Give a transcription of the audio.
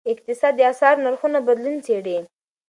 اقتصاد د اسعارو نرخونو بدلون څیړي.